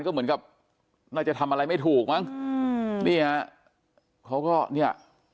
ก็เหมือนกับน่าจะทำอะไรไม่ถูกมั้งอืมนี่ฮะเขาก็เนี่ย